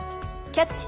「キャッチ！